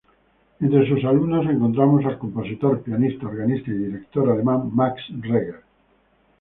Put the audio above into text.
Entre sus alumnos encontramos al compositor, pianista, organista y director alemán Max Reger.